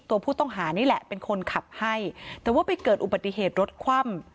ตัวผู้ต้องหานี่แหละเป็นคนขับให้แต่ว่าไปเกิดอุบัติเหตุรถคว่ำ